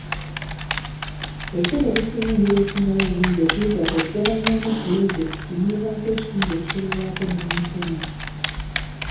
Ebiseera ebisinga engeri esingayo obulungi okuyiga kwe kugabanyaamu pulojekiti n'ebaako ekitundu ekikolebwako n'emikono.